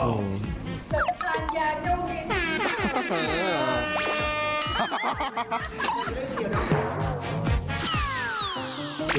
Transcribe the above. อุนเดิมเดียวนะ